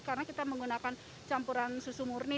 karena kita menggunakan campuran susu murni